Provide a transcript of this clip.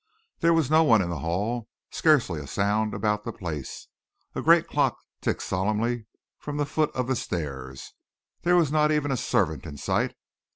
There was no one in the hall, scarcely a sound about the place. A great clock ticked solemnly from the foot of the stairs. There was not even a servant in sight.